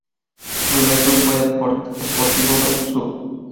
Su primer club fue Sportivo Dock Sud.